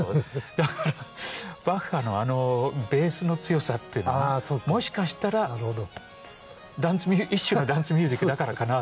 だからバッハのあのベースの強さっていうのもしかしたら一種のダンスミュージックだからかなと。